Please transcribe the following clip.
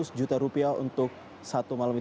seratus juta rupiah untuk satu malam itu